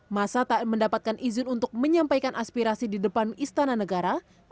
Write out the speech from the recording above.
masa tak mendapatkan izin untuk menyampaikan aspirasi di depan istana negara